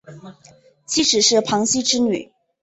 妻子是庞羲之女。